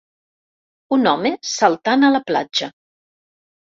Un home saltant a la platja.